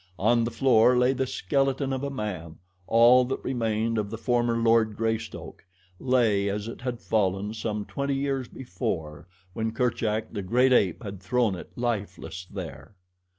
On the floor lay the skeleton of a man all that remained of the former Lord Greystoke lay as it had fallen some twenty years before when Kerchak, the great ape, had thrown it, lifeless, there.